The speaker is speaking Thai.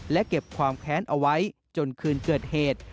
และเก็บความแค้นเอาไว้จนคืนเกิดเหตุ